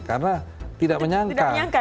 karena tidak menyangka